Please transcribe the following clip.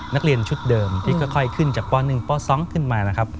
นักเรียนชุดเดิมที่ค่อยขึ้นจากป๑ป๒ขึ้นมานะครับ